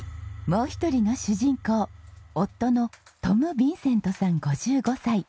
もう一人の主人公夫のトムヴィンセントさん５５歳。